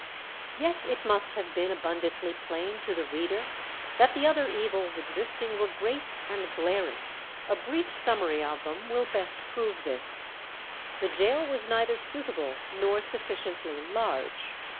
Yet it must have been abundantly plain to the reader that the other evils existing were great and glaring. A brief summary of them will best prove this. The gaol was neither suitable nor sufficiently large.